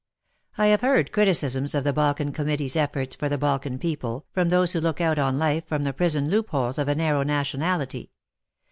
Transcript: I have heard criticisms of the Balkan Com mittee's efforts for the Balkan people, from those who look out on life from the prison loopholes of a narrow nationality.